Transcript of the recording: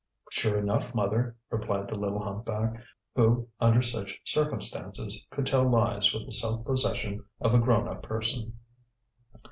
"Sure enough, mother," replied the little humpback, who under such circumstances could tell lies with the self possession of a grown up person.